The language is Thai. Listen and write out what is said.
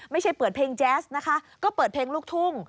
ไม่ใช่เปิดเพลงแจ๊สนะคะก็เปิดเพลงลูกทุ่ง